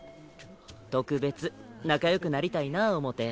特別仲よくなりたいな思て。